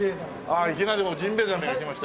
ああいきなりもうジンベエザメがきました。